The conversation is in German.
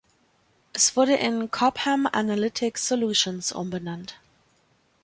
Es wurde in Cobham Analytic Solutions umbenannt.